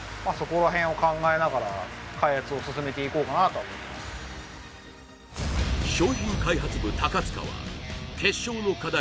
まあやっぱり商品開発部高塚は決勝の課題